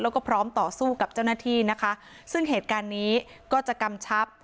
แล้วก็พร้อมต่อสู้กับเจ้าหน้าที่นะคะซึ่งเหตุการณ์นี้ก็จะกำชับ